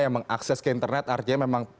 yang mengakses ke internet artinya memang